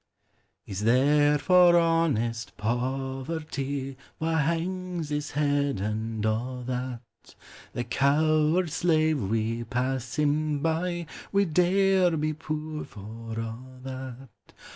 Is there for honest poverty Wha hangs his head, and a' that ? The coward slave, we pass him by ; We dare be poor for a' that.